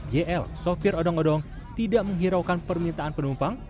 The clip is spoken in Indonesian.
jl sopir odong odong tidak menghiraukan permintaan penumpang